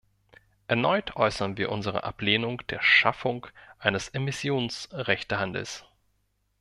Erneut äußern wir unsere Ablehnung der Schaffung eines Emissionsrechtehandels.